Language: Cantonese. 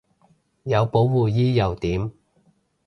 有保護衣又點